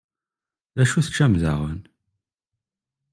D acu teččam daɣen?